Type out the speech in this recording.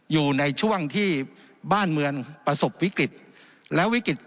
อยู่ในช่วงที่บ้านเมืองประสบวิกฤตและวิกฤต